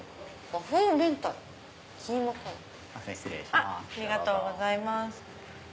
ありがとうございます。